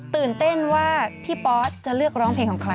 ตื่นเต้นว่าพี่ปอสจะเลือกร้องเพลงของใคร